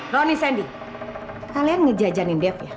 roni sandy kalian ngejajanin dev ya